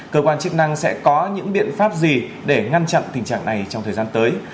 cơ quan chức năng sẽ có những biện pháp gì để ngăn chặn tình trạng này trong thời gian tới